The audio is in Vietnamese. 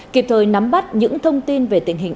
chơi nắm bắt những thông tin về tình hình